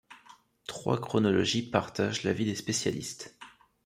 Trois chronologies partagent l'avis des spécialistes.